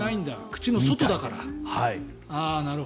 口の外だから。